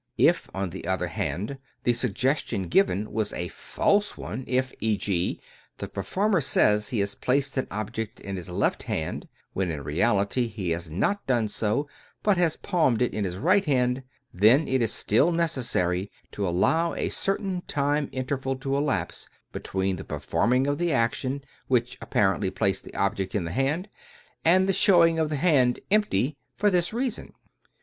If, on the other hand, the sugges tion given was a false one, if, e. g., the performer says he has placed an object in his left hand, when, in reality, he has not done so but has palmed it in the right, then it is still necessary to allow a certain time interval to elapse between the performing of the action which apparently placed the object in the hand, and the showing of the hand empty, for this reason.